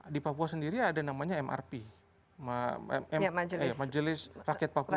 di papua sendiri ada namanya mrp majelis rakyat papua